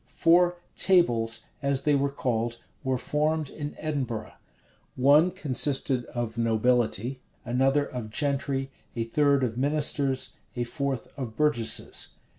Four "tables," as they were called, were formed in Edinburgh. One consisted of nobility, another of gentry, a third of ministers, a fourth of burgesses.